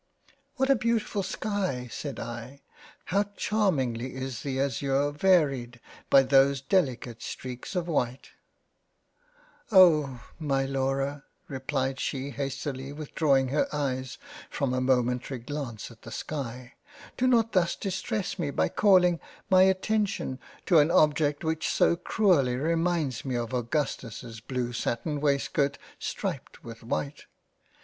" What a beautifull sky ! (said I) How charmingly is the azure varied by those delicate streaks of white !"" Oh ! my Laura (replied she hastily withdrawing her Eyes from a momentary glance at the sky) do not thus distress me by calling my Attention to an object which so cruelly reminds me of my Augustus's blue sattin waistcoat striped with white